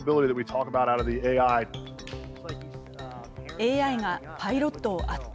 ＡＩがパイロットを圧倒。